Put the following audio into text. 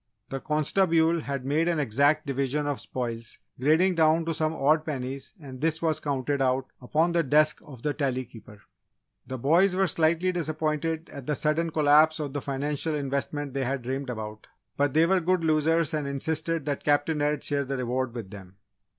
"The constabule" had made an exact division of spoils grading down to some odd pennies, and this was counted out upon the desk of the Tally Keeper. The boys were slightly disappointed at the sudden collapse of the financial investments they had dreamed about, but they were good losers and insisted that Captain Ed share the reward with them.